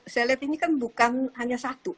saya lihat ini kan bukan hanya satu